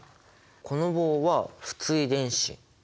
この棒は不対電子。